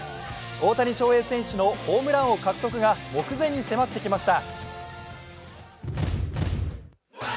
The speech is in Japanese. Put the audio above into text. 大谷翔平選手のホームラン王獲得が目前に迫ってきました。